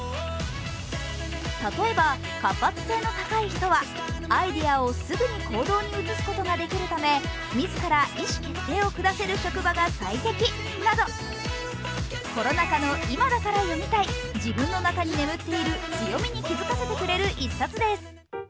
例えば、活発性の高い人はアイデアをすぐに行動に移すことができるため自ら意思決定を下せる職場が最適など、コロナ禍の今だから読みたい自分の中に眠っている強みに気づかせてくれる一冊です。